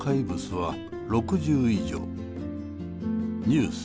ニュース